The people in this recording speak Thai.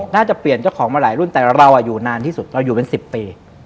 น่าจะเปลี่ยนเจ้าของมาหลายรุ่นแต่เราอยู่นานที่สุดเราอยู่เป็น๑๐ปี